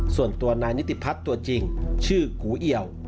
ส่วนตัวนายนิติพัฒน์ตัวจริงชื่อกูเอี่ยว